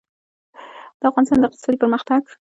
د افغانستان د اقتصادي پرمختګ لپاره پکار ده چې اړیکې پراخې شي.